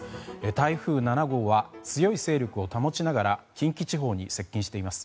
台風７号は強い勢力を保ちながら近畿地方に接近しています。